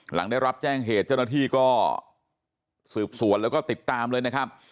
หลังได้รับแจ้งเหตุเจ้าหน้าที่ก็สืบสวนแล้วก็ติดตามเลยนะครับ